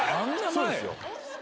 そうですよ。